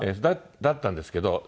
だったんですけど。